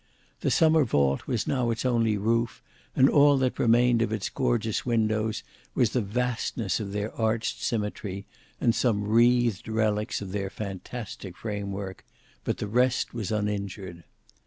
The summer vault was now its only roof, and all that remained of its gorgeous windows was the vastness of their arched symmetry, and some wreathed relics of their fantastic frame work, but the rest was uninjured.